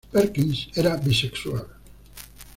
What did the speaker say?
Perkins era bisexual.